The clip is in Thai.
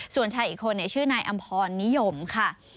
ส่วนชายอีกคนชื่อนายอำพรนิยมค่ะ